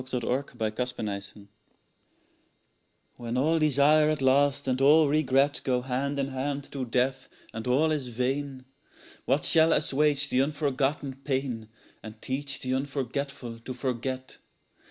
209 SONNBT CIl THE ONE HOPE WHEN all desire at last and all regret Go hand in hand to death, and all is vain, What shall assuage the unforgotten pain And teach the unforgetful to forget?